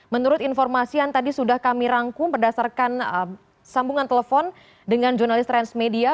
menurut informasi yang tadi sudah kami rangkum berdasarkan sambungan telepon dengan jurnalis transmedia